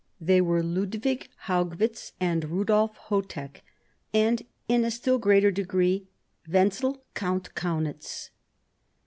They were Ludwig Haug —* witz and Rudolf Chotek, and, in a still greater degree^ Wenzel Count Kaunitz.